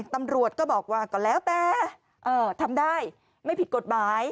ตำรวจก็บอกว่าก็แล้วแต่ทำได้ไม่ผิดกฎหมาย